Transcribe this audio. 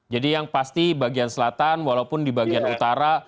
jadi yang pasti bagian selatan walaupun di bagian utara